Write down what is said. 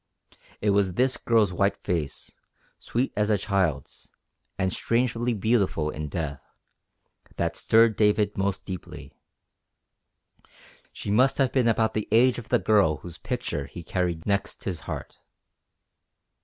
It was this girl's white face, sweet as a child's and strangely beautiful in death, that stirred David most deeply. She must have been about the age of the girl whose picture he carried next his heart.